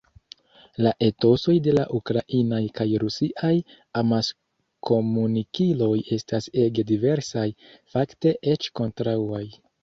La etosoj de la ukrainaj kaj rusiaj amaskomunikiloj estas ege diversaj, fakte, eĉ kontraŭaj.